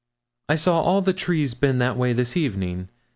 'I saw all the trees bend that way this evening.